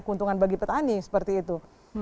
keuntungan bagi petani seperti itu